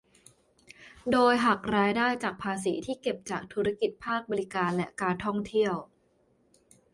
โดยหักรายได้จากภาษีที่เก็บจากธุรกิจภาคบริการและการท่องเที่ยว